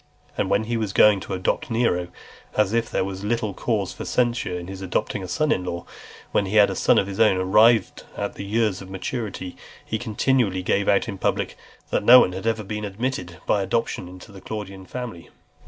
And when he was going to adopt Nero, as if there was little cause for censure in his adopting a son in law, when he had a son of his own arrived at years of maturity; he continually gave out in public, "that no one had ever been admitted by adoption into the Claudian family."